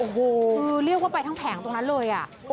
โอ้โหคือเรียกว่าไปทั้งแผงตรงนั้นเลย